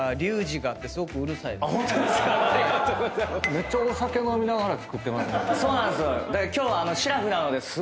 めっちゃお酒飲みながら作ってますもんね。